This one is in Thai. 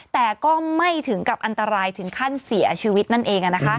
แต่ก็ไม่ถึงกับอันตรายถึงขั้นเสียชีวิตนั่นเอง